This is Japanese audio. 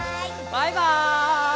「バイバーイ！」